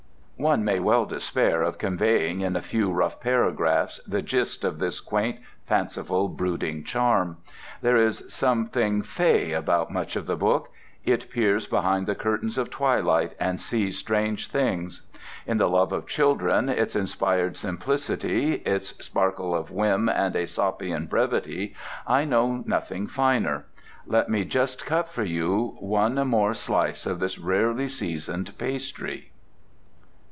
One may well despair of conveying in a few rough paragraphs the gist of this quaint, fanciful, brooding charm. There is something fey about much of the book: it peers behind the curtains of twilight and sees strange things. In its love of children, its inspired simplicity, its sparkle of whim and Æsopian brevity, I know nothing finer. Let me just cut for you one more slice of this rarely seasoned pastry.